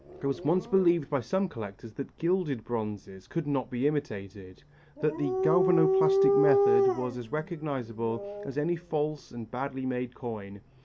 It was once believed by some collectors that gilded bronze could not be imitated, that the galvanoplastic method was as recognizable as any false and badly made coin.